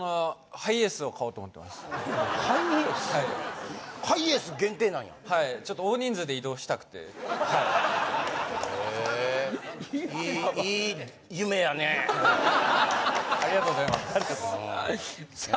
ハイエース限定なんやはいちょっと大人数で移動したくてはいへありがとうございますさあ